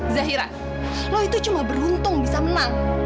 zahira lo itu cuma beruntung bisa menang